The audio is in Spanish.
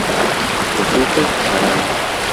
Kosuke Harada